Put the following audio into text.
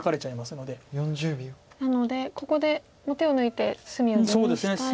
なのでここでもう手を抜いて隅を地にしたり。